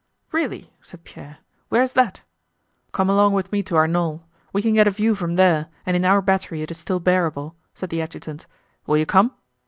"Really?" said Pierre. "Where is that?" "Come along with me to our knoll. We can get a view from there and in our battery it is still bearable," said the adjutant. "Will you come?"